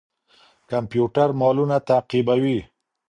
کمپيوټر مالونه تعقيبوي.